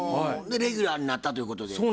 でレギュラーになったということで。